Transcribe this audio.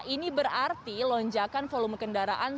ini berarti lonjakan volume kendaraan